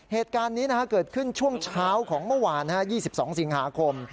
เหตุการณ์นี้เกิดขึ้นช่วงเช้าของเมื่อวาน๒๒สิงหาคม